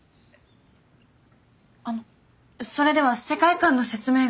あのそれでは世界観の説明が。